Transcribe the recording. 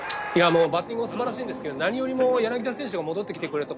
バッティングも素晴らしいんですけど何よりも柳田選手が戻ってきてくれた